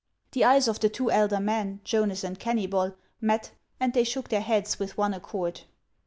The eyes of the two elder men, Jonas and Kennybol, met, and they shook their heads with one accord.